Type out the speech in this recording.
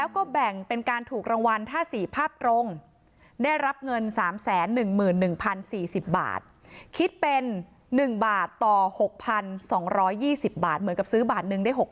คิดเป็น๑บาทต่อ๖๒๒๐บาทเหมือนกับซื้อบาทนึงได้๖๒๒๐บาท